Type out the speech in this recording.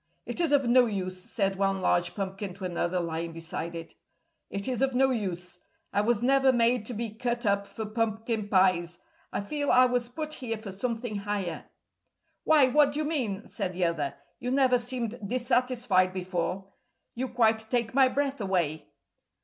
"It is of no use," said one large pumpkin to another lying beside it. "It is of no use. I was never made to be cut up for pumpkin pies. I feel I was put here for something higher." "Why, what do you mean?" said the other. "You never seemed dissatisfied before. You quite take my breath away."